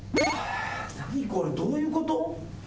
何これどういうこと？